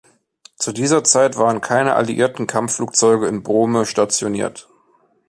Zu dieser Zeit waren keine alliierten Kampfflugzeuge in Broome stationiert.